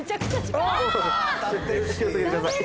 気を付けてください。